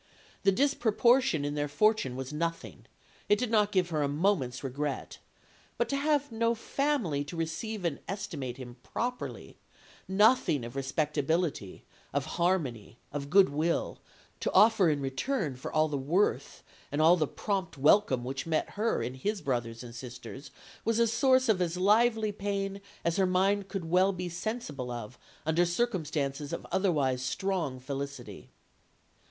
The disproportion in their fortune was nothing; it did not give her a moment's regret; but to have no family to receive and estimate him properly, nothing of respectability, of harmony, of good will, to offer in return for all the worth and all the prompt welcome which met her in his brothers and sisters, was a source of as lively pain as her mind could well be sensible of under circumstances of otherwise strong felicity."